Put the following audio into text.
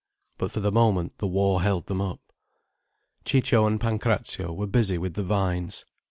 But for the moment the war held them up. Ciccio and Pancrazio were busy with the vines.